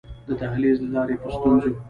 د دهلېز له لارې په ستونزو.